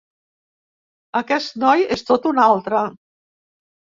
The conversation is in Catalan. Aquest noi és tot un altre.